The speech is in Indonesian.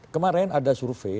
kemarin ada survei